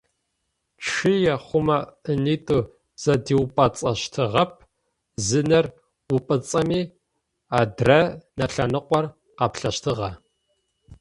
Чъые хъумэ ынитӏу зэдиупӏыцӏэщтыгъэп, зы нэр ыупӏыцӏэми адрэ нэ лъэныкъор къаплъэщтыгъэ.